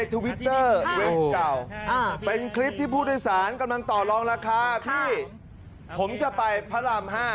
พี่คิดเท่าไหร่